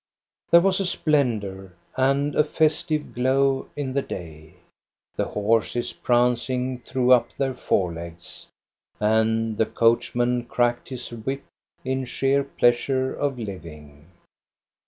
There was a splendor and a festive glow in the day. The horses prancing threw up their forelegs, and the coachman cracked his whip in sheer pleasure of living.